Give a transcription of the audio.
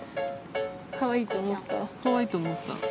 かわいいと思った？